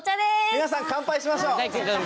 皆さん乾杯しましょう。